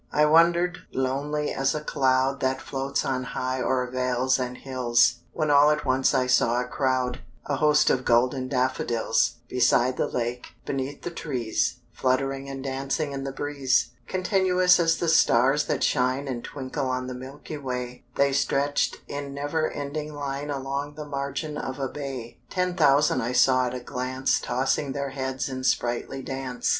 I wander'd lonely as a cloud That floats on high o'er vales and hills, When all at once I saw a crowd, A host of golden daffodils, Beside the lake, beneath the trees, Fluttering and dancing in the breeze. Continuous as the stars that shine And twinkle on the milky way, They stretch'd in never ending line Along the margin of a bay: Ten thousand saw I at a glance Tossing their heads in sprightly dance.